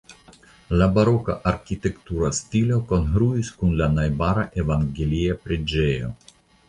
La baroka arkitektura stilo kongruis kun la najbara evangelia preĝejo.